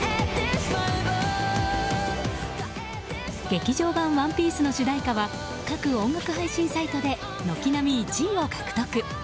劇場版「ＯＮＥＰＩＥＣＥ」の主題歌は各音楽配信サイトで軒並み１位を獲得。